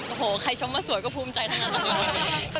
โอ้โฮใครชมมาสวยก็ปลื้มใจทั้งนั้นค่ะ